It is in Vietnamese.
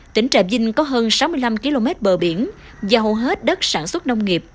tỉnh trà vinh có hơn sáu mươi năm km bờ biển và hầu hết đất sản xuất nông nghiệp